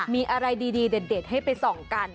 มีอะไรดีเด็ดให้ไปส่องกัน